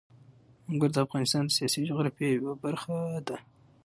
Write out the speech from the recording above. انګور د افغانستان د سیاسي جغرافیې یوه برخه ده.